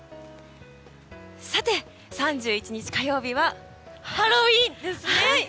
さて、３１日の火曜日はハロウィーンですよね。